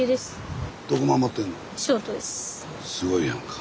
すごいやんか。